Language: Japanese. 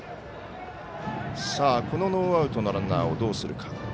ノーアウトのランナーをどうするか。